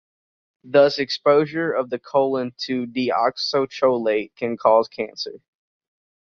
Thus, exposure of the colon to deoxycholate can cause cancer.